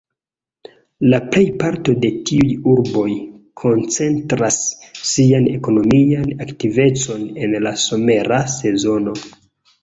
La plej parto de tiuj urboj koncentras sian ekonomian aktivecon en la somera sezono.